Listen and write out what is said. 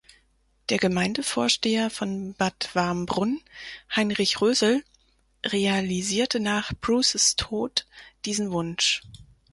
Der Gemeindevorsteher von Bad Warmbrunn, Heinrich Rösel, realisierte nach Bruces Tod diesen Wunsch.